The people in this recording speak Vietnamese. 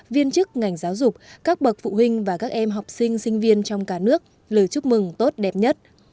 viên chức ngành giáo dục các bậc phụ huynh và các em học sinh sinh viên trong cả nước lời chúc mừng tốt đẹp nhất